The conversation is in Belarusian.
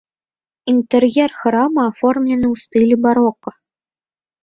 Інтэр'ер храма аформлены ў стылі барока.